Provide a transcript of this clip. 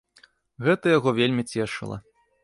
Гэта яго вельмі цешыла.